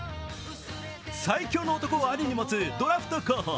最強の男を兄に持つドラフト候補。